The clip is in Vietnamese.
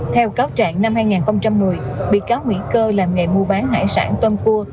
theo cáo trạng năm hai nghìn một mươi bị cáo nguyễn cơ làm nghề mua bán hải sản tôm cua